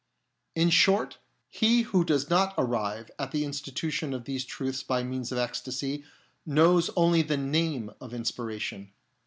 In short, he who does not arrive at the in tuition of these truths by means of ecstasy, knows only the name of inspiration.